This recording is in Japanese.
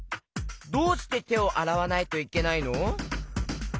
どうしててをあらわないといけないの？